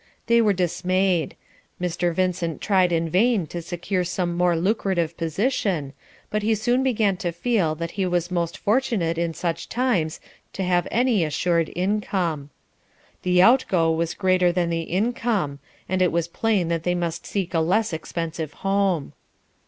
They were dismayed; Mr. Vincent tried in vain to secure some more lucrative position, but he soon began to feel that he was most fortunate in such times to have any assured income. The outgo was greater than the income, and it was plain that they must seek a less expensive home.